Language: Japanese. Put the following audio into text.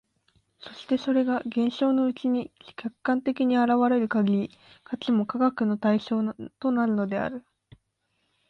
そしてそれが現象のうちに客観的に現れる限り、価値も科学の対象となるのである。